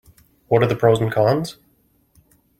What are the pros and cons?